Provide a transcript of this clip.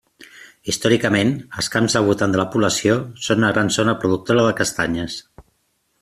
Històricament, els camps del voltant de la població són una gran zona productora de castanyes.